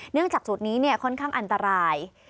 เนื่องจากสูตรนี้ค่อนข้างอันตราย